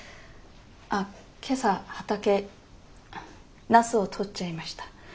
あっ今朝畑ナスをとっちゃいました。